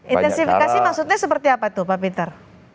intensifikasi maksudnya seperti apa tuh pak pinter